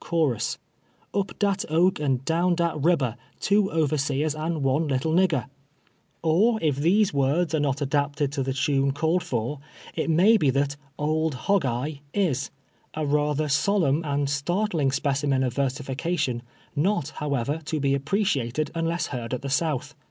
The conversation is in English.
Chorus. Up dat oak and dowai dat ribber, Two overseers and one little nigger^' 220 TWELVE YEARS A SLAVE. Or, if these words are not adapted to tlie tuiK} called for, it may be that " Old li o^ Eye" is — a rather sol emn and startling s])ecimen of versification, not, how ever, to be a}){n'L'ciated unless heard at the South.